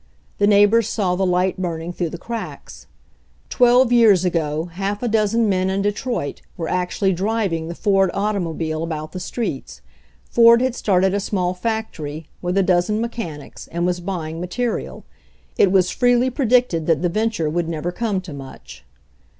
The neighbors saw the light burning through the cracks. Twelve years ago half a dozen men in Detroit were actually driving the Ford automobile about the streets. Ford had started a small factory, with a dozen mechanics, and was buying ma terial. It was freely predicted that the venture would never come to much.